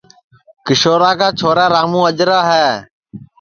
کیشورا کا چھورا راموں اجرا ہے